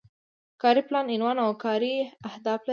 کاري پلان عنوان او کاري اهداف لري.